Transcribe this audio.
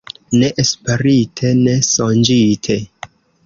Ne esperite, ne sonĝite.